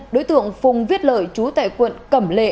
đối tượng phùng viết lợi chú tại quận cẩm lệ